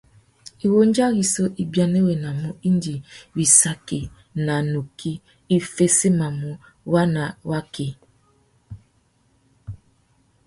Iwundja rissú i bianéwénamú indi wissaki nà nukí i féssémamú waná waki.